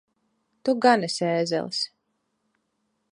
Tu gan esi ēzelis!